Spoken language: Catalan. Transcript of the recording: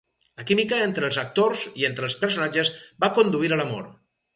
La química entre els actors, i entre els personatges, va conduir a l'amor.